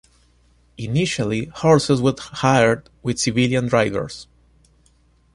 Initially, horses were hired with civilian drivers.